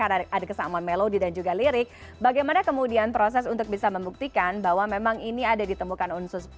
karena ada kesamaan melodi dan juga lirik bagaimana kemudian proses untuk bisa membuktikan bahwa memang ini ada ditemukan unsur